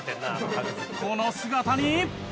この姿に。